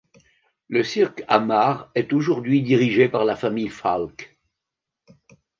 Le cirque Amar est aujourd'hui dirigé par la famille Falck.